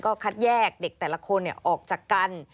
ก็คัดแยกเด็กแต่ละคนออกจากกัน